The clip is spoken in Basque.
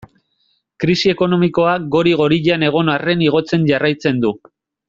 Krisi ekonomikoa gori-gorian egon arren igotzen jarraitzen du.